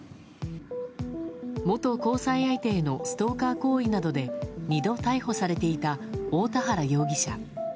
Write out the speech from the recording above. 元交際相手へのストーカー行為などで２度逮捕されていた大田原容疑者。